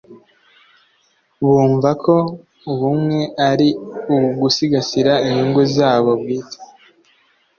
bumvako ubumwe ari ugusigasira inyungu zabo bwite